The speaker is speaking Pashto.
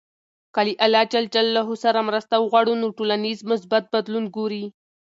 که له الله ج سره مرسته وغواړو، نو ټولنیز مثبت بدلون ګورﻱ.